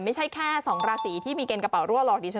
ไม่ใช่แค่๒ราศีที่มีเกณฑ์กระเป๋ารั่วหลอกดิฉัน